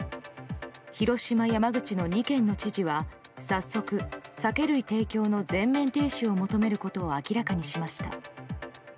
広島、山口の２県の知事は早速、酒類提供の全面停止を求めることを明らかにしました。